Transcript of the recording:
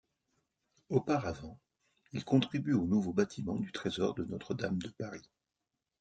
Auparavant, il contribue au nouveau bâtiment du trésor de Notre-Dame de Paris.